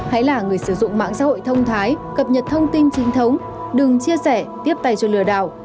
hãy là người sử dụng mạng xã hội thông thái cập nhật thông tin chính thống đừng chia sẻ tiếp tay cho lừa đảo